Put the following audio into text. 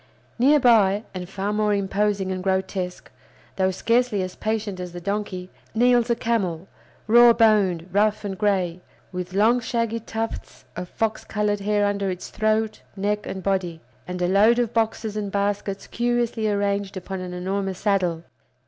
Near by, and far more imposing and grotesque, though scarcely as patient as the donkey, kneels a camel, raw boned, rough, and gray, with long shaggy tufts of fox colored hair under its throat, neck, and body, and a load of boxes and baskets curiously arranged upon an enormous saddle.